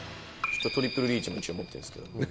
「トリプルリーチも一応持ってるんですけど」